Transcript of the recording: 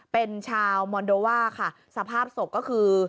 เป็นชาวมอนโดว่าค่ะสภาพศพก็คือ